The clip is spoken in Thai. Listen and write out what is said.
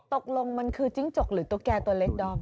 ตกลงมันคือจิ้งจกหรือตุ๊กแก่ตัวเล็กดอม